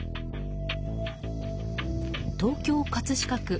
東京・葛飾区。